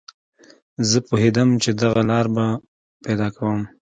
زه پوهېدم چې دغه لاره به پیدا کوم